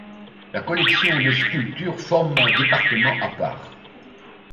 La collection de sculptures forme un département à part.